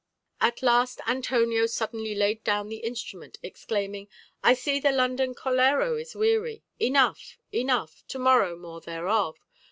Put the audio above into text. At last Antonio suddenly laid down the instrument, exclaiming: "I see the London Caloró is weary; enough, enough, to morrow more thereof.